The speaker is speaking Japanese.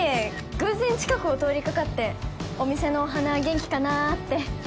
偶然近くを通りかかってお店のお花元気かなって・